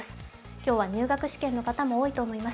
今日は入学試験の方も多いと思います。